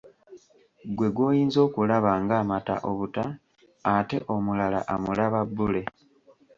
Ggwe gw'oyinza okulaba ng'amata obuta, ate omulala amulaba bbule!